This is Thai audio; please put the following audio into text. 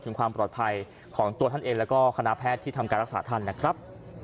ถึงความปลอดภัยของตัวท่านเองแล้วก็คณะแพทย์ที่ทำการรักษาท่านนะครับ